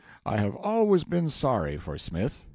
I have always been sorry for Smith.